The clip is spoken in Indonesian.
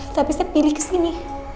tapi saya pilih kesini